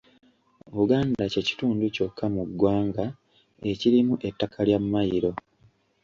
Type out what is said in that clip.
Buganda kye kitundu kyokka mu ggwanga ekirimu ettaka lya Mmayiro.